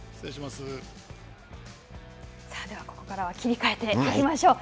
ではここからは切り替えていきましょう。